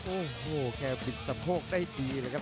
โอ้โหแค่ปริชย์ตะโภกได้ดีเลยครับ